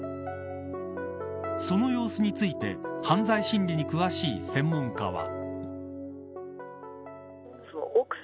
その様子について犯罪心理に詳しい専門家は。